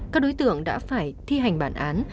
các đối tượng đã phải thi hành bản án